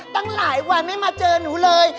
ตั้งหลายวันไม่มาเจอหนูเลย